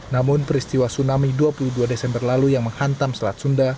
namun peristiwa tsunami dua puluh dua desember lalu yang menghantam selat sunda